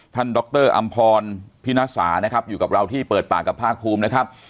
ดรอำพรพินสานะครับอยู่กับเราที่เปิดปากกับภาคภูมินะครับ